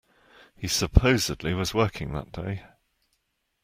He supposedly was working that day.